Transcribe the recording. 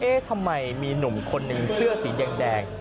ทำไมมีหนุ่มคนหนึ่งเสื้อสีแดง